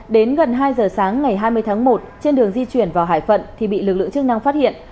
đến gần hai giờ sáng ngày hai mươi tháng một trên đường di chuyển vào hải phận thì bị lực lượng chức năng phát hiện